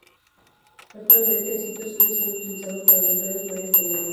Actualmente, el sitio sigue siendo utilizado para rituales mayas contemporáneos.